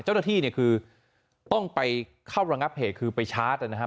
เจ้าหน้าที่เนี่ยคือต้องไปเข้าระงับเหตุคือไปชาร์จนะครับ